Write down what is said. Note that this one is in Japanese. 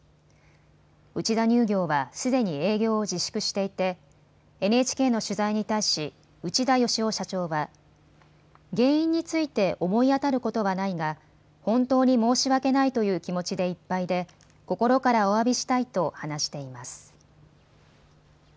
内田乳業はすでに営業を自粛していてＮＨＫの取材に対し内田喜夫社長は原因について思い当たることはないが本当に申し訳ないという気持ちでいっぱいで心からおわびしたいと話しています。